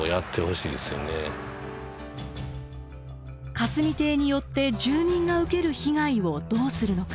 霞堤によって住民が受ける被害をどうするのか。